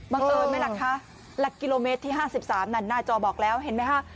เอิญไหมล่ะคะหลักกิโลเมตรที่๕๓นั่นหน้าจอบอกแล้วเห็นไหมคะ